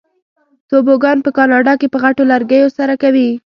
توبوګان په کاناډا کې په غټو لرګیو سره کوي.